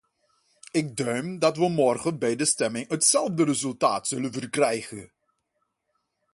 Ik duim dat we morgen bij de stemming hetzelfde resultaat zullen verkrijgen!